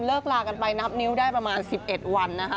ลากันไปนับนิ้วได้ประมาณ๑๑วันนะคะ